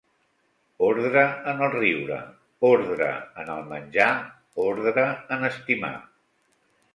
Ordre en el riure, ordre en el menjar, ordre en estimar